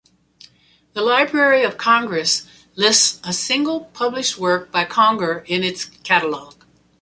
The Library of Congress lists a single published work by Conger in its catalog.